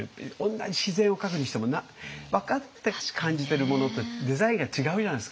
同じ自然を描くにしても分かって感じてるものってデザインが違うじゃないですか。